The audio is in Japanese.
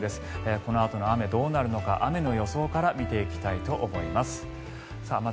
このあとの雨どうなるのか雨の予想から見ていきたいと思います。